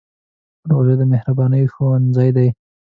روژه د مهربانۍ ښوونځی دی.